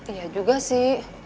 iya juga sih